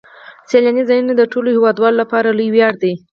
سیلاني ځایونه د ټولو هیوادوالو لپاره لوی ویاړ دی.